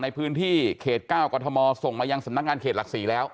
ในพื้นที่เขต๙กรทมส่งมายังสำนักงานเขตหลัก๔แล้ว